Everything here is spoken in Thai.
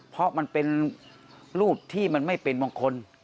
เพราะมันเป็นรูปที่มันไม่เป็นมงคล